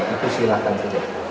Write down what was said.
itu silakan saja